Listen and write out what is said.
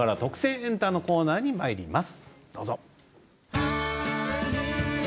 エンタ」のコーナーにまいります。